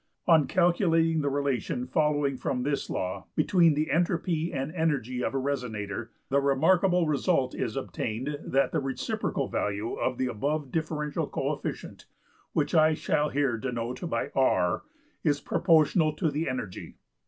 On calculating the relation following from this law between the entropy and energy of a resonator the remarkable result is obtained that the reciprocal value of the above differential coefficient, which I shall here denote by $R$, is proportional to the energy(7).